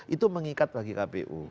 itu mengikat bagi kpu